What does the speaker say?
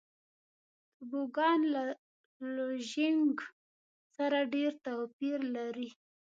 توبوګان له لوژینګ سره ډېر توپیر لري.